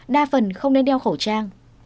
đa phần không nên đeo khẩu trang